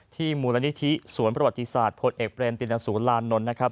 มูลนิธิสวนประวัติศาสตร์พลเอกเบรมตินสุรานนท์นะครับ